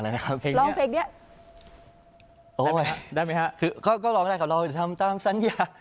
อะไรนะครับร้องเพลงเนี้ยโอ้ยได้ไหมครับคือก็ก็ร้องได้กับเราจะทำตำสัญญา